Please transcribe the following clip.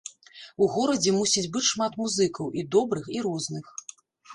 У горадзе мусіць быць шмат музыкаў, і добрых і розных.